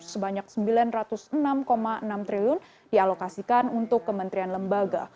sebanyak rp sembilan ratus enam enam triliun dialokasikan untuk kementerian lembaga